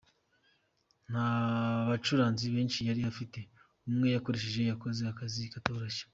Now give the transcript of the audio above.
Nta bacuranzi benshi yari afite, umwe yakoresheje yakoze akazi katoroshye.